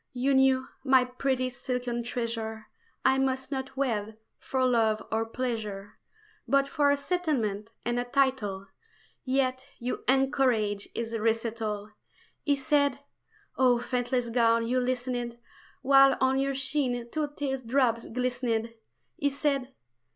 You knew, my pretty silken treasure, I must not wed for love or pleasure, But for a settlement and title; Yet you encouraged his recital! He said oh, faithless gown, you listened While on your sheen two tear drops glistened He said